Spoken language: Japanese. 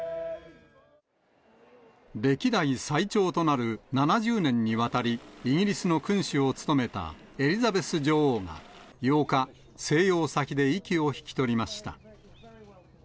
歴代最長となる７０年にわたり、イギリスの君主を務めたエリザベス女王が、８日、静養先で息を引き取りました。